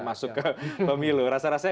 masuk ke pemilu rasa rasanya